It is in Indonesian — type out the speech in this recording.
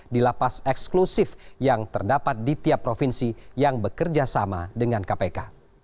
di lapas eksklusif yang terdapat di tiap provinsi yang bekerja sama dengan kpk